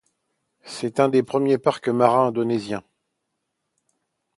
C'est un des premiers parcs marins indonésiens.